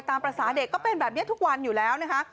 ตามภาษาเด็กก็เป็นแบบนี้ทุกวันอยู่แล้วนะคะ